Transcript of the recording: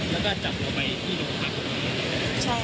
แล้วก็จับเข้าไปที่นุ่มพร้อมมั้ย